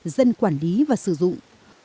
dân quản lý và sử dụng